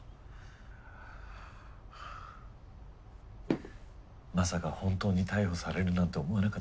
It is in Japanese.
まさか本当に逮捕されるなんて思わなかったんだ。